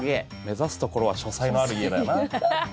「目指すところは書斎のある家だよな」